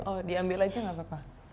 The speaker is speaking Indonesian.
oh diambil aja nggak apa apa